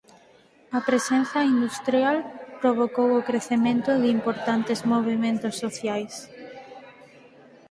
A presenza industrial provocou o crecemento de importantes movementos sociais.